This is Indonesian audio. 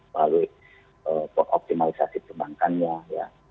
melalui optimalisasi pembangkannya